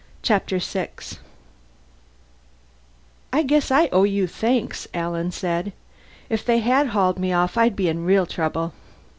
Chapter Six "I guess I owe you thanks," Alan said. "If they had hauled me off I'd be in real trouble."